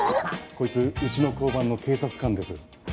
こいつうちの交番の警察官です。